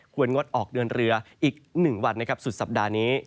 ก็จะมีการแผ่ลงมาแตะบ้างนะครับ